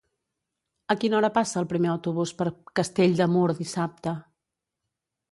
A quina hora passa el primer autobús per Castell de Mur dissabte?